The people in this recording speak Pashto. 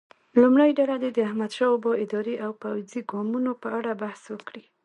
لومړۍ ډله دې د احمدشاه بابا اداري او پوځي ګامونو په اړه بحث وکړي.